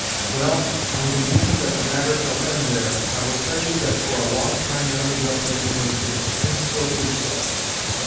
"Well, on condition that the matter shall end there, I will tell you that for a long time Mlle. Polina was ill, and still is so.